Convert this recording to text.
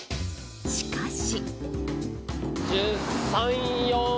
しかし。